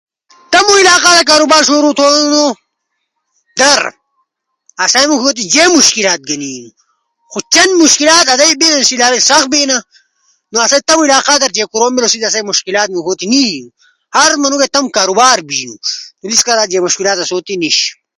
تمو علاقہ در کاروبار شروع تھونو آسئی موݜو تی جے مشکلات گھینی خو چین مشکلات آسو تی لالو سخت بینا نو آسو تمو علاقہ تی کوروم تھینا نو آسو تی موݜوتے مشکلات نی بینی۔ ہر منوڙو تمو کاروبار بینو۔ سیس کارا آسو در کے مشکلات نیِش۔